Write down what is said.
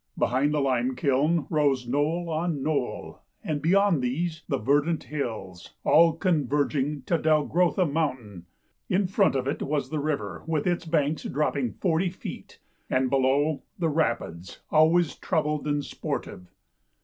Behind the lime kiln rose knoll on knoll, and beyond these, the verdant hills, all converging to Dal grothe Mountain. In front of it was the river with its banks dropping forty feet, and below, the rapids, al ways troubled and sportive.